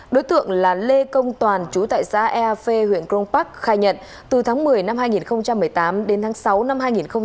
đối tượng là lê công toàn chú tại xã ea phê huyện crong park khai nhận từ tháng một mươi năm hai nghìn một mươi tám đến tháng sáu năm hai nghìn một mươi chín